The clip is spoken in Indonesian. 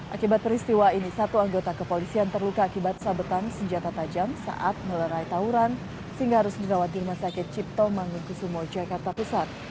akibat peristiwa ini satu anggota kepolisian terluka akibat sabetan senjata tajam saat melerai tawuran sehingga harus dirawat di rumah sakit cipto mangunkusumo jakarta pusat